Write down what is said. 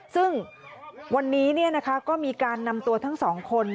ซึ่งวันนี้ก็มีการนำตัวทั้งสองคน